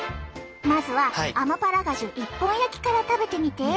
まずはアマパラガジュ１本焼きから食べてみて。